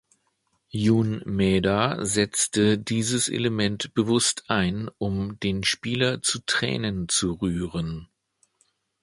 Jun Maeda setzte dieses Element bewusst ein, um den Spieler „zu Tränen zu rühren“.